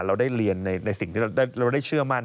เราได้เรียนในสิ่งที่เราได้เชื่อมั่น